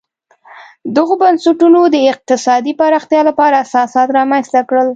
دغو بنسټونو د اقتصادي پراختیا لپاره اساسات رامنځته کړل.